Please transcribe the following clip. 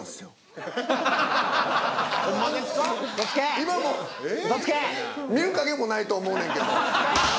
今もう見る影もないと思うねんけど。